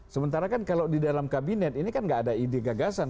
sementara kan kalau di dalam kabinet ini kan gak ada ide gagasan